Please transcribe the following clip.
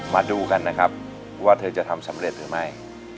มาดูกันนะครับว่าเธอจะทำสำเร็จหรือไม่